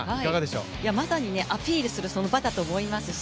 まさにアピールする場だと思いますし